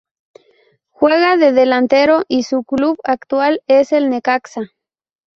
Juega de delantero y su club actual es el Necaxa